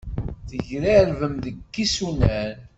Tegrarbem deg yisunan.